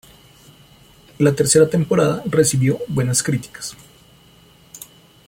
La tercera temporada recibió buenas críticas.